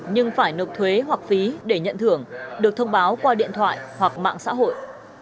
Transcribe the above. nhưng phải nộp thuế hoặc phí để nhận thưởng được thông báo qua điện thoại hoặc mạng xã hội